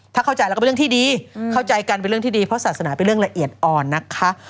ถ้าเข้าใจเราก็เป็นเรื่องที่ดีเข้าใจกันเป็นเรื่องที่ดีเพราะศาสนาเป็นเรื่องละเอียดอ่อนนะคะ